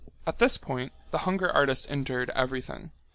At this point, the hunger artist endured everything.